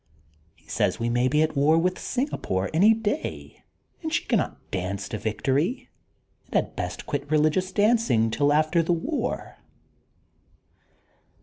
He says we may be at war with Singapore any day and she cannot dance to victory and had best qnit reUgious dancing, till after the war.